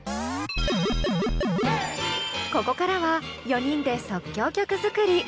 ここからは４人で即興曲作り。